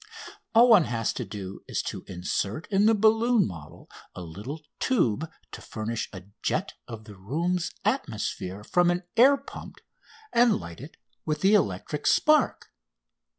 All one has to do is to insert in the balloon model a little tube to furnish a jet of the room's atmosphere from an air pump and light it with the electric spark.